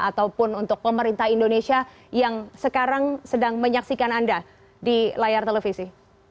ataupun untuk pemerintah indonesia yang sekarang sedang menyaksikan anda di layar televisi